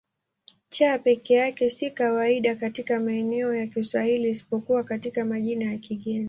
C peke yake si kawaida katika maneno ya Kiswahili isipokuwa katika majina ya kigeni.